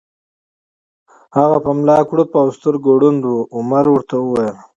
هغه په ملا کړوپ او سترګو ړوند و، عمر ورته وویل: